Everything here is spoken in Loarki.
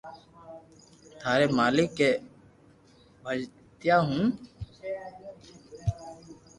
ٿاري مالڪ اي پڄيٽاوي ھو